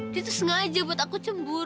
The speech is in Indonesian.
dia tuh sengaja buat aku cemburu